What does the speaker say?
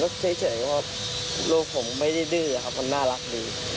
ผมใช้เฉยว่ารูปผมไม่ได้ดื้อครับคือน่ารักดี